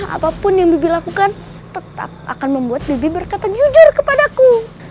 apapun yang bibi lakukan tetap akan membuat bibi berkata jujur kepadaku